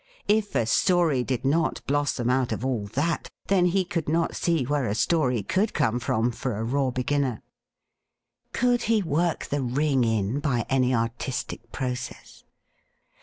If a story did not blossom out of all that, then he could not see where a story could come from, for a raw beginner. Could he work the ring in by any artistic process?